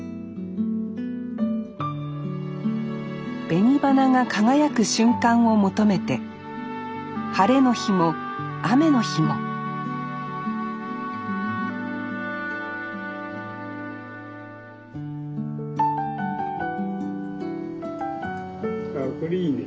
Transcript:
紅花が輝く瞬間を求めて晴れの日も雨の日もああこれいいね。